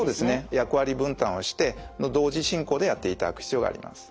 役割分担をして同時進行でやっていただく必要があります。